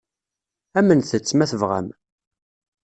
Amnet-tt, ma tebɣam.